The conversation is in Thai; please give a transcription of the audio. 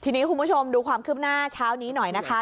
ทีนี้คุณผู้ชมดูความคืบหน้าเช้านี้หน่อยนะคะ